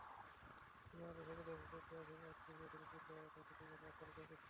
তিনি আমাদের সাথে দেখা করতে এখানে আসতে চেয়েছিলেন, কিন্তু ওরা তাকে দুর্ঘটনাস্থলে ডেকেছে।